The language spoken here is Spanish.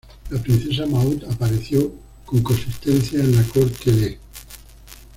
La princesa Maud apareció con consistencia en la corte de St.